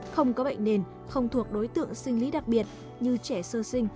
không có bệnh nền không thuộc đối tượng sinh lý đặc biệt như trẻ sơ sinh